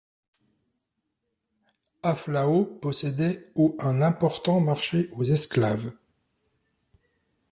Aflao possédait au un important marché aux esclaves.